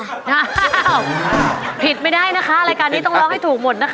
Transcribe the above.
อ้าวผิดไม่ได้นะคะรายการนี้ต้องร้องให้ถูกหมดนะคะ